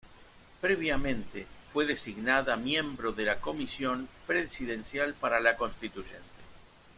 Previamente, fue designada miembro de la Comisión Presidencial para la Constituyente.